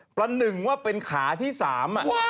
ประหนึ่งว่าเป็นขาที่สาม